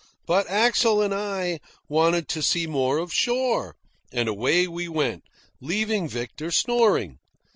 But Axel and I wanted to see more of shore, and away we went, leaving Victor snoring.